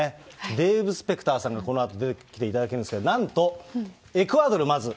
デーブ・スペクターさんがこのあと出てきていただくんですけど、なんと、エクアドル、まず。